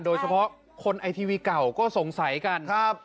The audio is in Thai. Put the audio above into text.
โดยเฉพาะคนไอทีวีเก่าก็สงสัยกัน